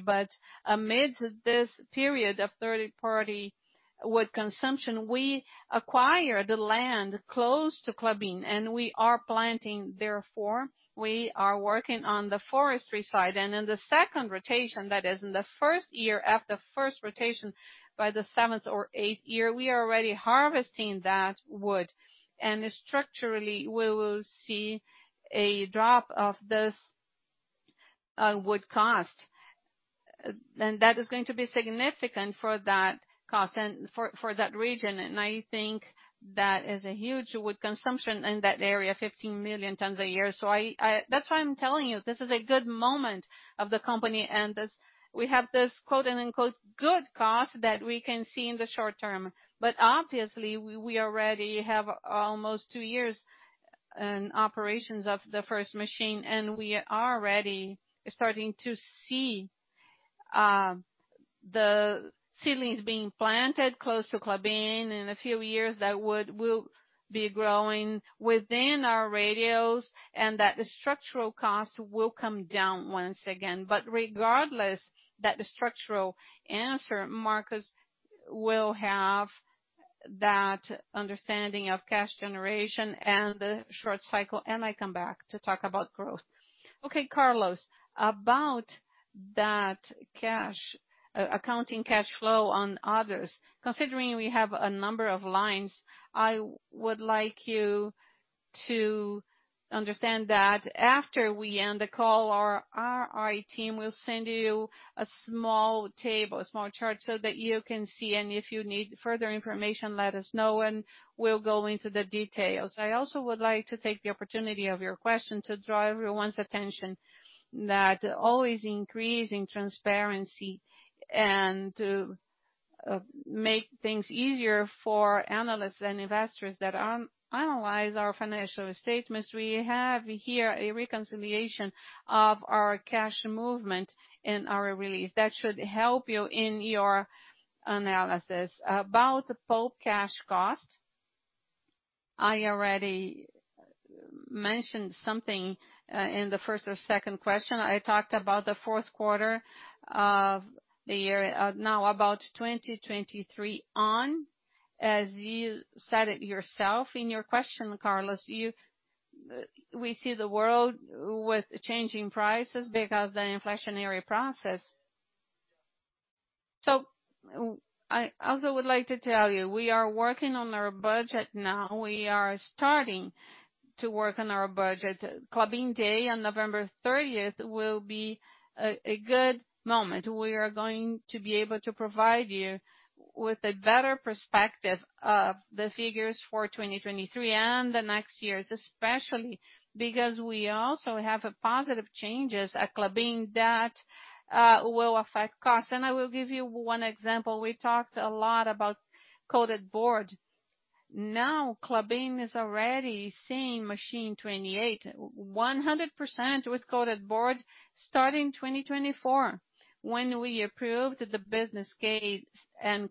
Amidst this period of third-party wood consumption, we acquire the land close to Klabin, and we are planting therefore, we are working on the forestry side. In the second rotation, that is in the first year after first rotation, by the seventh or eighth year, we are already harvesting that wood. Structurally, we will see a drop of this wood cost. That is going to be significant for that cost and for that region. I think that is a huge wood consumption in that area, 15 million tons a year. So that's why I'm telling you this is a good moment of the company and this we have this quote and unquote good cost that we can see in the short term. But obviously we already have almost two years and operations of the first machine, and we are already starting to see the seedlings being planted close to Klabin. In a few years, we'll be growing within our radius and that the structural cost will come down once again. Regardless that the structural answer, Marcos will have that understanding of cash generation and the short cycle, and I come back to talk about growth. Okay, Carlos, about that cash, accounting cash flow on others, considering we have a number of lines, I would like you to understand that after we end the call, our IR team will send you a small table, a small chart, so that you can see. If you need further information, let us know and we'll go into the details. I also would like to take the opportunity of your question to draw everyone's attention to always increasing transparency and to make things easier for analysts and investors that analyze our financial statements. We have here a reconciliation of our cash movement in our release. That should help you in your analysis. About pulp cash costs, I already mentioned something in the first or second question. I talked about the fourth quarter of the year. Now about 2023 on, as you said it yourself in your question, Carlos, we see the world with changing prices because the inflationary process. I also would like to tell you, we are working on our budget now. We are starting to work on our budget. Klabin Day on November 30 will be a good moment. We are going to be able to provide you with a better perspective of the figures for 2023 and the next years, especially because we also have positive changes at Klabin that will affect costs. I will give you one example. We talked a lot about coated board. Now, Klabin is already seeing Machine 28 100% with coated board starting 2024. When we approved the business case and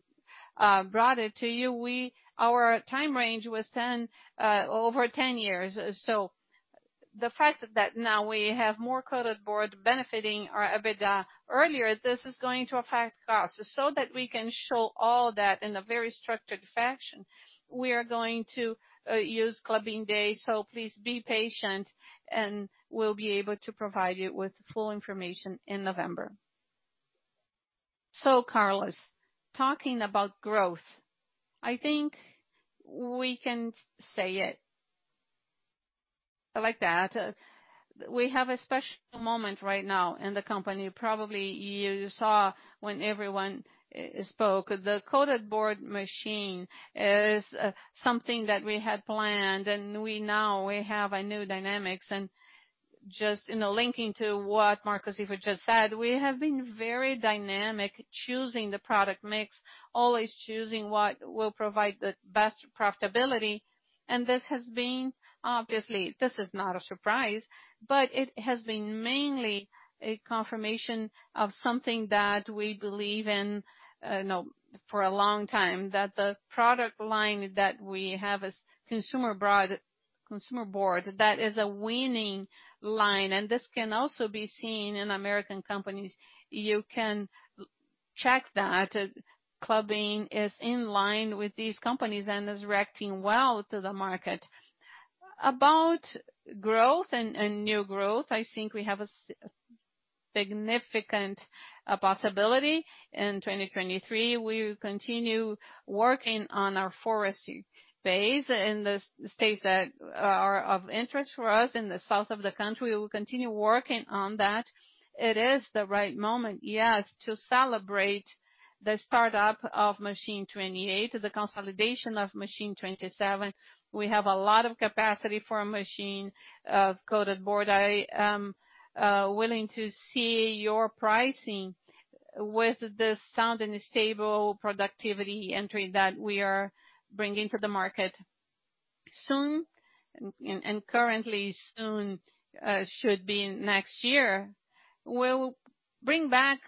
brought it to you, our time range was 10, over 10 years. The fact that now we have more coated board benefiting our EBITDA earlier, this is going to affect costs. That we can show all that in a very structured fashion, we are going to use Klabin Day, so please be patient, and we'll be able to provide you with full information in November. Carlos, talking about growth, I think we can say it like that. We have a special moment right now in the company. Probably you saw when everyone spoke. The coated board machine is something that we had planned, and we now have a new dynamics. Just in the linking to what Marcos Ivo just said, we have been very dynamic choosing the product mix, always choosing what will provide the best profitability. This has been, obviously, this is not a surprise, but it has been mainly a confirmation of something that we believe in, for a long time, that the product line that we have as consumer board, that is a winning line. This can also be seen in American companies. You can check that Klabin is in line with these companies and is reacting well to the market. About growth and new growth, I think we have a significant possibility. In 2023, we will continue working on our forestry base in the states that are of interest for us in the south of the country. We will continue working on that. It is the right moment, yes, to celebrate the start-up of Machine 28, the consolidation of Machine 27. We have a lot of capacity for a machine of coated board. I am willing to see your pricing with the sound and stable productivity entry that we are bringing to the market soon, and currently soon should be next year. We'll bring back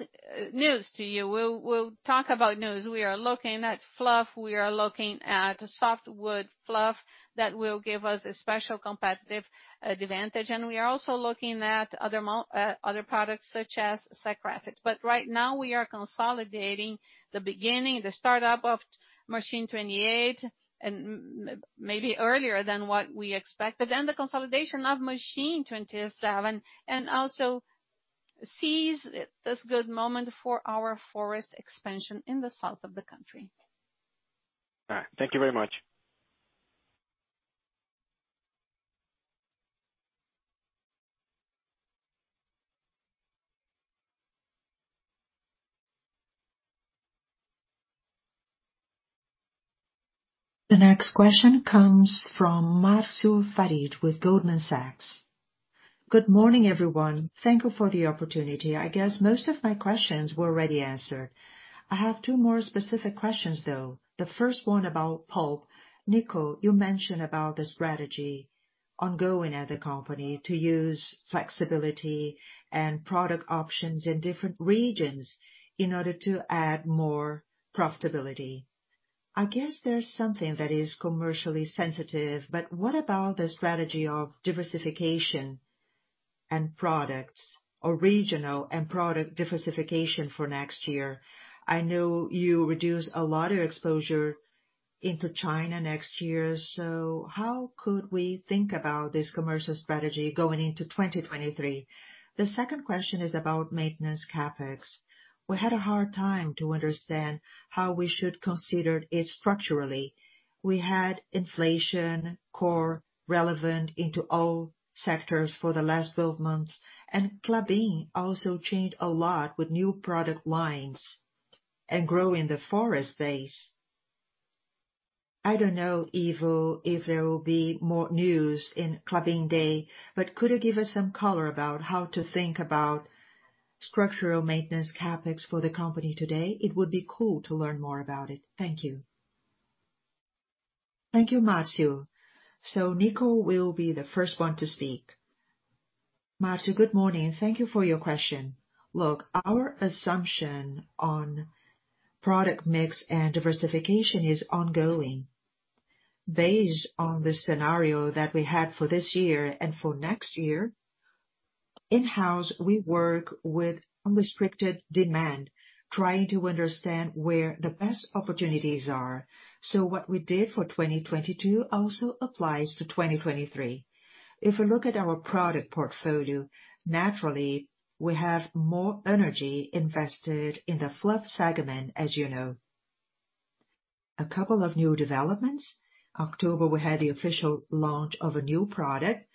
news to you. We'll talk about news. We are looking at fluff. We are looking at softwood fluff that will give us a special competitive advantage. We are also looking at other products such as graphics. Right now we are consolidating the beginning, the start-up of Machine 28 and maybe earlier than what we expected, and the consolidation of Machine 27, and also seize this good moment for our forest expansion in the south of the country. All right. Thank you very much. The next question comes from Marcio Farid with Goldman Sachs. Good morning, everyone. Thank you for the opportunity. I guess most of my questions were already answered. I have two more specific questions, though. The first one about pulp. Nico, you mentioned about the strategy ongoing at the company to use flexibility and product options in different regions in order to add more profitability. I guess there's something that is commercially sensitive, but what about the strategy of diversification and products or regional and product diversification for next year? I know you reduce a lot of exposure into China next year, so how could we think about this commercial strategy going into 2023? The second question is about maintenance CapEx. We had a hard time to understand how we should consider it structurally. We had inflation core relevant into all sectors for the last 12 months, and Klabin also changed a lot with new product lines and growth in the forest base. I don't know, Ivo, if there will be more news in Klabin Day, but could you give us some color about how to think about structural maintenance CapEx for the company today? It would be cool to learn more about it. Thank you. Thank you, Marcio. Nico will be the first one to speak. Marcio, good morning, and thank you for your question. Look, our assumption on product mix and diversification is ongoing. Based on the scenario that we had for this year and for next year, in-house, we work with unrestricted demand, trying to understand where the best opportunities are. What we did for 2022 also applies to 2023. If we look at our product portfolio, naturally we have more energy invested in the fluff segment, as you know. A couple of new developments. October, we had the official launch of a new product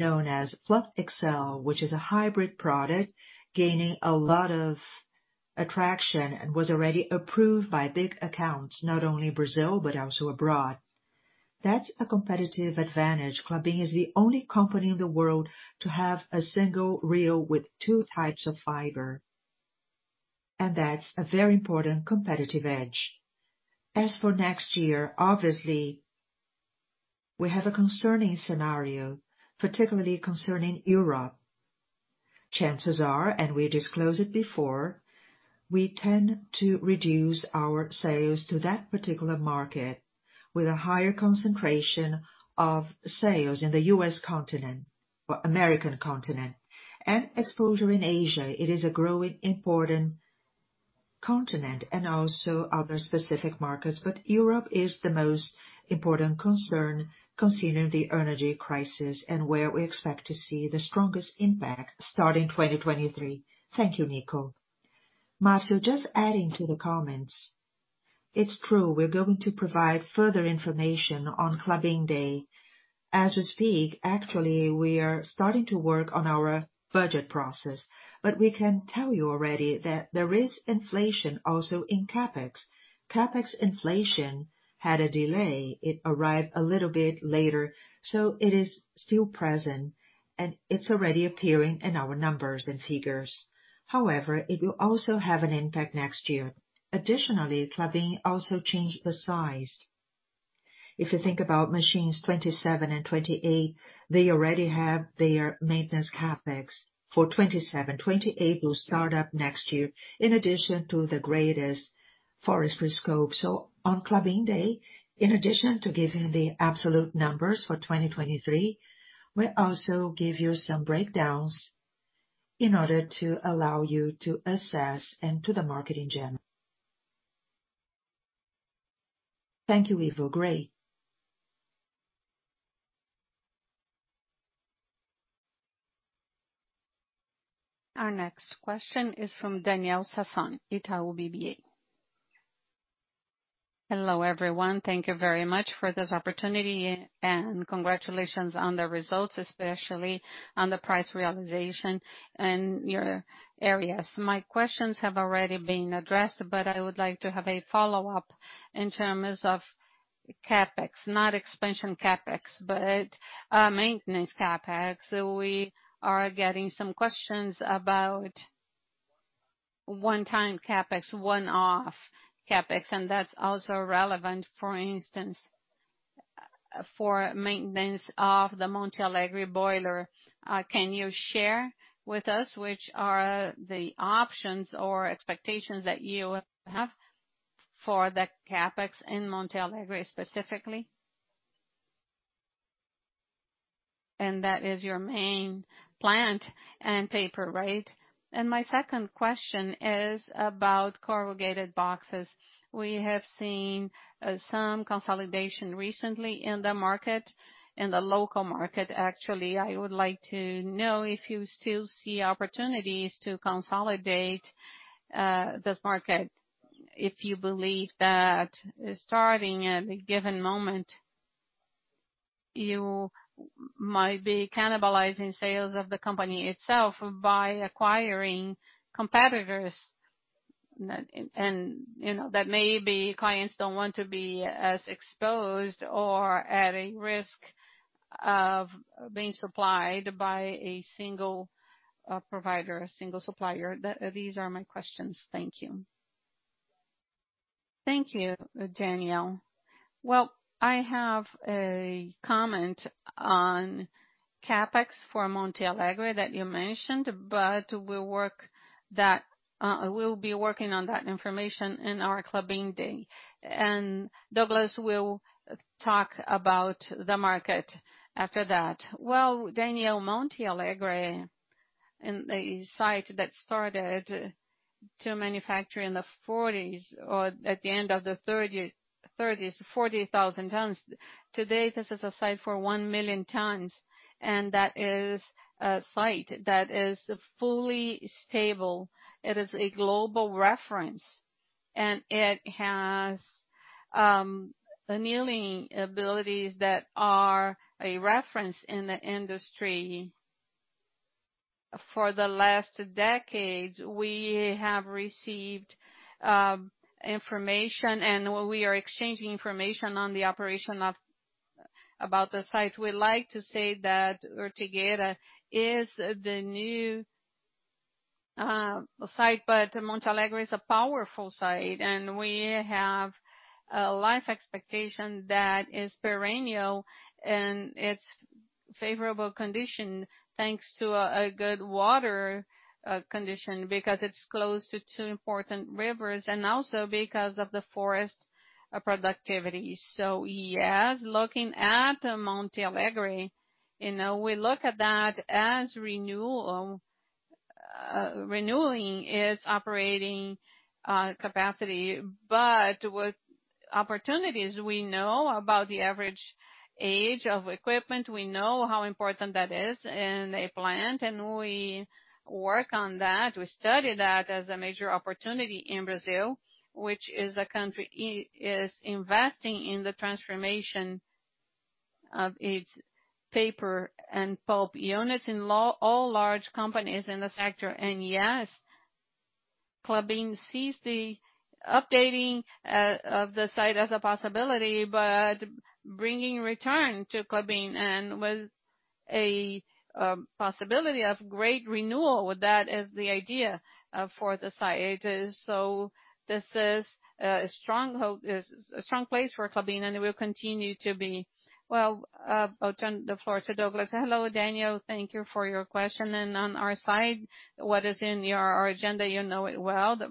known as Fluff eXcel, which is a hybrid product gaining a lot of traction and was already approved by big accounts, not only Brazil, but also abroad. That's a competitive advantage. Klabin is the only company in the world to have a single reel with two types of fiber, and that's a very important competitive edge. As for next year, obviously we have a concerning scenario, particularly concerning Europe. Chances are, and we disclosed it before, we tend to reduce our sales to that particular market with a higher concentration of sales in the US continent or American continent and exposure in Asia. It is a growing, important continent and also other specific markets. Europe is the most important concern considering the energy crisis and where we expect to see the strongest impact starting 2023. Thank you, Nico. Marcio, just adding to the comments. It's true, we're going to provide further information on Klabin Day. As we speak, actually, we are starting to work on our budget process. We can tell you already that there is inflation also in CapEx. CapEx inflation had a delay. It arrived a little bit later, so it is still present, and it's already appearing in our numbers and figures. However, it will also have an impact next year. Additionally, Klabin also changed the size. If you think about Machines 27 and 28, they already have their maintenance CapEx. For 27, 28 will start up next year, in addition to the greatest forestry scope. On Klabin Day, in addition to giving the absolute numbers for 2023, we'll also give you some breakdowns in order to allow you to assess and to the market in general. Thank you, Marcio Farid. Our next question is from Daniel Sasson, Itaú BBA. Hello, everyone. Thank you very much for this opportunity and congratulations on the results, especially on the price realization in your areas. My questions have already been addressed, but I would like to have a follow-up in terms of CapEx. Not expansion CapEx, but maintenance CapEx. We are getting some questions about one-time CapEx, one-off CapEx, and that's also relevant, for instance, for maintenance of the Monte Alegre boiler. Can you share with us which are the options or expectations that you have for the CapEx in Monte Alegre specifically? And that is your main plant and paper, right? My second question is about corrugated boxes. We have seen some consolidation recently in the market, in the local market. Actually, I would like to know if you still see opportunities to consolidate this market, if you believe that starting at a given moment, you might be cannibalizing sales of the company itself by acquiring competitors? You know, that maybe clients don't want to be as exposed or at a risk of being supplied by a single provider, a single supplier. These are my questions. Thank you. Thank you, Daniel. Well, I have a comment on CapEx for Monte Alegre that you mentioned, but we'll work that. We'll be working on that information in our Klabin Day. Douglas will talk about the market after that. Well, Daniel, Monte Alegre and the site that started to manufacture in the 1940s or at the end of the 1930s, 40,000 tons. Today, this is a site for 1 million tons, and that is a site that is fully stable. It is a global reference, and it has amazing abilities that are a reference in the industry. For the last decades, we have received information and we are exchanging information on the operation about the site. We like to say that Ortigueira is the new site, but Monte Alegre is a powerful site, and we have a life expectation that is perennial and it's favorable condition, thanks to a good water condition, because it's close to two important rivers and also because of the forest productivity. Yes, looking at Monte Alegre, you know, we look at that as renewal. Renewing its operating capacity. With opportunities, we know about the average age of equipment, we know how important that is in a plant, and we work on that. We study that as a major opportunity in Brazil, which is a country investing in the transformation of its paper and pulp units in all large companies in the sector. Yes, Klabin sees the updating of the site as a possibility, but bringing return to Klabin and with a possibility of great renewal, that is the idea for the site. This is a strong place for Klabin, and it will continue to be. I'll turn the floor to Douglas. Hello, Daniel. Thank you for your question. On our side, what is in our agenda, you know it well. The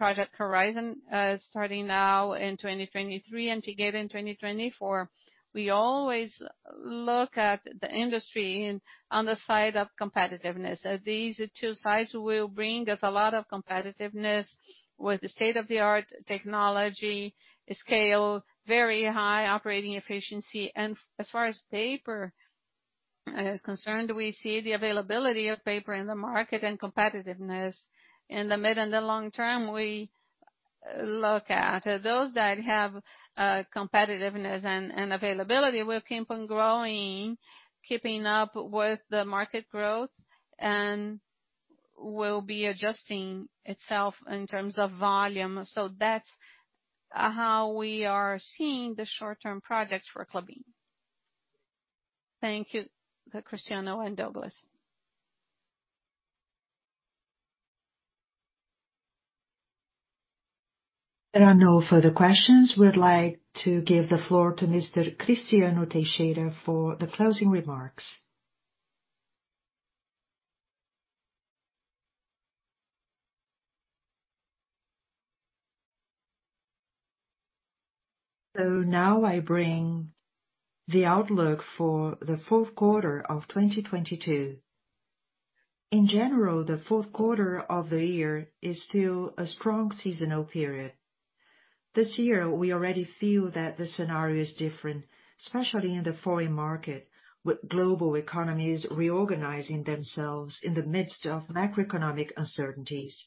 Horizonte project, starting now in 2023, integrate in 2024. We always look at the industry on the side of competitiveness. These two sides will bring us a lot of competitiveness with state-of-the-art technology, scale, very high operating efficiency. As far as paper is concerned, we see the availability of paper in the market and competitiveness. In the mid and the long term, we look at those that have competitiveness and availability will keep on growing, keeping up with the market growth and will be adjusting itself in terms of volume. That's how we are seeing the short-term projects for Klabin. Thank you, Cristiano and Douglas. There are no further questions. We'd like to give the floor to Mr. Cristiano Teixeira for the closing remarks. Now I bring the outlook for the fourth quarter of 2022. In general, the fourth quarter of the year is still a strong seasonal period. This year, we already feel that the scenario is different, especially in the foreign market, with global economies reorganizing themselves in the midst of macroeconomic uncertainties.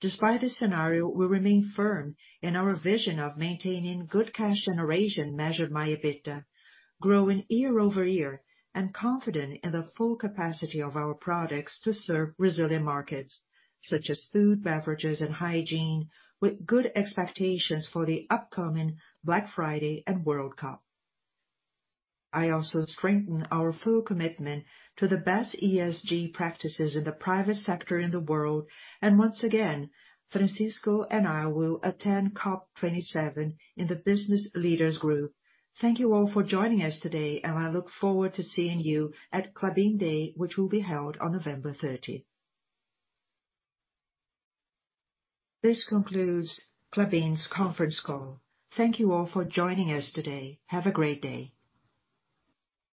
Despite this scenario, we remain firm in our vision of maintaining good cash generation measured by EBITDA, growing year-over-year and confident in the full capacity of our products to serve resilient markets such as food, beverages, and hygiene, with good expectations for the upcoming Black Friday and World Cup. I also strengthen our full commitment to the best ESG practices in the private sector in the world. Once again, Francisco and I will attend COP27 in the business leaders group. Thank you all for joining us today, and I look forward to seeing you at Klabin Day, which will be held on November 13th. This concludes Klabin's conference call. Thank you all for joining us today. Have a great day.